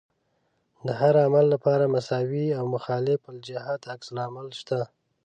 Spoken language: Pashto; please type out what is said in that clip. د هر عمل لپاره مساوي او مخالف الجهت عکس العمل شته.